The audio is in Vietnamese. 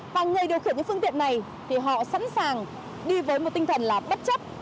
và người điều khiển những phương tiện này thì họ sẵn sàng đi với một tinh thần là bất chấp